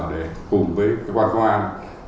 để cùng với cơ quan công an